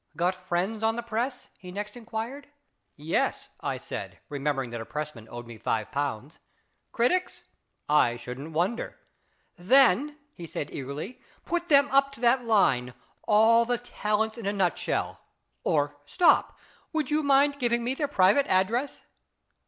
" Got friends on the press ?" he next inquired. " Yes," I said, remembering that a pressman owed me five pounds. "Critics?" " I shouldn't wonder." "Then," he said eagerly, "put them up to that line, ' all the talents in a nutshell.' Or stop ; would you mind giving me their private address